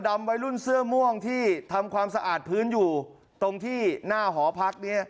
ดำไว้รุ่นเสื้อม่วงที่ทำความสะอาดพื้นอยู่ตรงที่หน้า